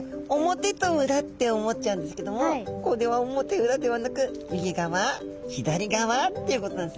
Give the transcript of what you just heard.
表と裏って思っちゃうんですけどもこれは表裏ではなく右側左側っていうことなんですね。